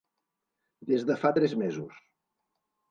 Des de fa tres mesos.